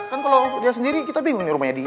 kan kalo dia sendiri kita bingungin rumahnya dia